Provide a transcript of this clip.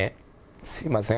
すみません。